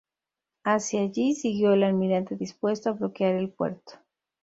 Hacia allí, siguió el almirante dispuesto a bloquear el puerto.